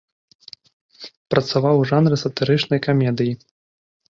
Працаваў у жанры сатырычнай камедыі.